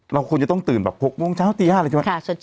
เราควรจะต้องตื่นแบบ๖โมงเช้าตี๕เลยใช่ไหม